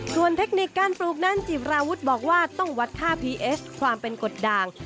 ส่วนเทคนิคการปลูกนั้นจีบราวุฒิบอกว่าต้องวัดค่าพีเอสความเป็นกฎด่าง